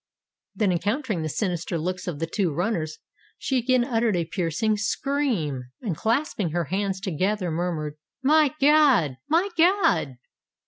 "—then, encountering the sinister looks of the two runners, she again uttered a piercing scream, and clasping her hands together, murmured, "My God! my God!"